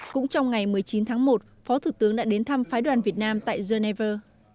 cũng trong ngày một mươi chín tháng một phó thủ tướng đã đến thăm phái đoàn việt nam tại geneva